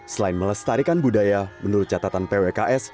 selain melestarikan budaya menurut catatan pwks